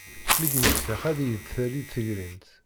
Mi d-mmektaɣ ad iyi-d-tali tegrint.